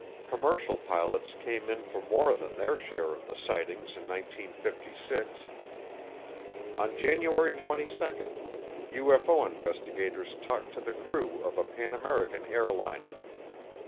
Commercial pilots came in for more than their share of the sightings in 1956. On January 22, UFO investigators talked to the crew of a Pan American airliner.